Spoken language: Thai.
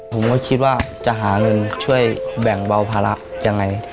ผมก็คิดว่าจะหาเงินช่วยแบ่งเบาภาระยังไง